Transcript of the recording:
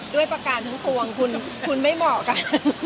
ประการทั้งปวงคุณไม่เหมาะกัน